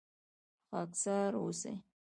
خاکسار اوسئ